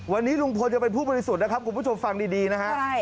วันนี้ลุงพลจะเป็นผู้บริสุทธิ์นะครับคุณผู้ชมฟังดีนะฮะ